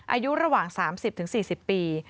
อายุระหว่าง๓๐๔๐ปี